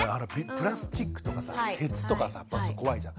プラスチックとかさ鉄とかさ怖いじゃん。